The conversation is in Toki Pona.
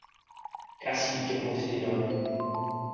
kasi ike mute li lon.